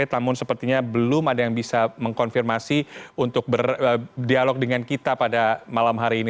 namun sepertinya belum ada yang bisa mengkonfirmasi untuk berdialog dengan kita pada malam hari ini